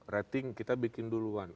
rating kita bikin duluan